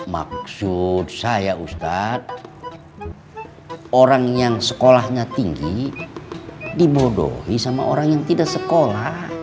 maksud saya ustadz orang yang sekolahnya tinggi dibodohi sama orang yang tidak sekolah